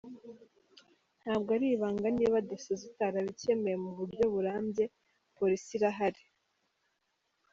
Ntabwo ari ibanga niba Dasso zitarabikemuye mu buryo burambye, polisi irahari,.